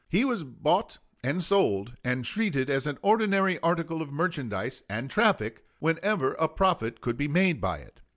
He was bought and sold, and treated as an ordinary article of merchandise and traffic, whenever a profit could be made by it.